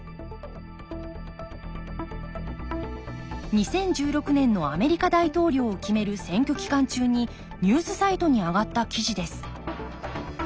２０１６年のアメリカ大統領を決める選挙期間中にニュースサイトに上がった記事です